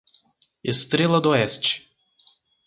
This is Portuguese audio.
Estrela d'Oeste